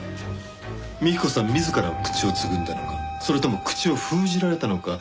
幹子さん自ら口をつぐんだのかそれとも口を封じられたのか。